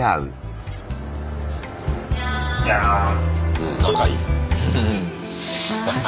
うん仲いいな。